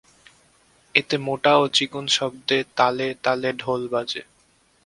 এতে মোটা ও চিকন শব্দে তালে তালে ঢোল বাজে।